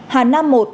hà nam một